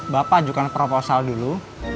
bapak ajukan proposal dulu